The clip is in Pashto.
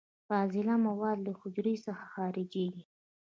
فاضله مواد له حجرې څخه خارجیږي.